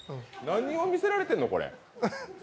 何を見せられてんの、これ？